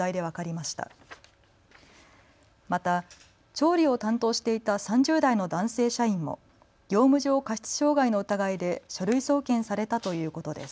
また調理を担当していた３０代の男性社員も業務上過失傷害の疑いで書類送検されたということです。